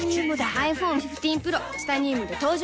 ｉＰｈｏｎｅ１５Ｐｒｏ チタニウムで登場